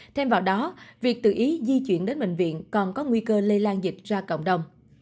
thêm vào đó việc tự ý di chuyển đến bệnh viện còn có nguy cơ lây lan dịch ra cộng đồng